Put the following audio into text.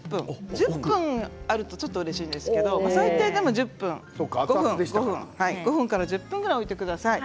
１０分あるとうれしいですけれども最低でも５分５分から１０分ぐらい置いてください。